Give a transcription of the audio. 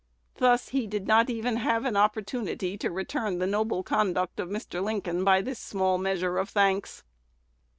Thus he did not even have an opportunity to return the noble conduct of Mr. Lincoln by this small measure of thanks."